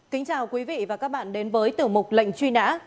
kính chào quý vị và các bạn đến với tiểu mục lệnh truy nã